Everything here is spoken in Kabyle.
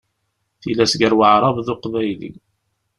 Tilas gar Waεrab d Uqbayli.